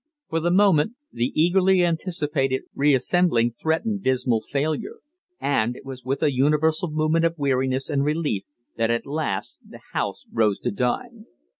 For the moment the eagerly anticipated reassembling threatened dismal failure; and it was with a universal movement of weariness and relief that at last the House rose to dine.